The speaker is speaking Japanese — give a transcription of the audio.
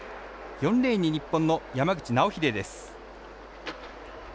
４レーンに日本の山口尚秀です。